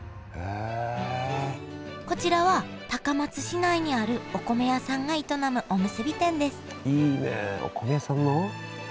こちらは高松市内にあるお米屋さんが営むおむすび店ですいいねお米屋さんの？